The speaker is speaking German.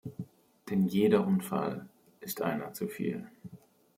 Denn jeder Unfall ist einer zu viel.